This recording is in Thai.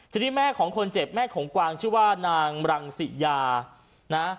ทีนี้แม่ของคนเจ็บแม่ของกวางชื่อว่านางรังสิยานะ